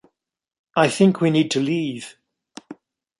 I think we need to leave.